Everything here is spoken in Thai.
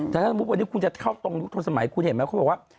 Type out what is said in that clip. แต่ถ้าสมมุติวันนี้คุณจะเข้าตรงยุคทนสมัยคุณเห็นไหมเขาบอกว่า